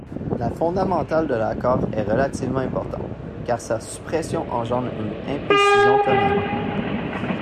La fondamentale de l'accord est relativement importante, car sa suppression engendre une imprécision tonale.